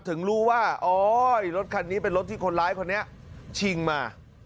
ถึงรู้ว่าโอ๊ยรถคันนี้เป็นรถที่คนร้ายคนนี้ชิงมา